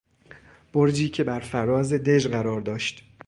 برجی که برفراز دژ قرار داشت